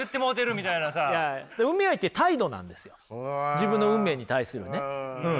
自分の運命に対するねうん。